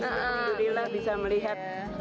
alhamdulillah bisa melihat